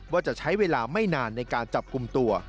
ว่าจะใช้เวลาไม่นานในการจับกลุ่มตัว